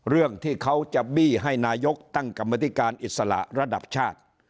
เรื่องที่เขาจะบี้ให้นายกตั้งกรรมธิการอิสระระดับชาติ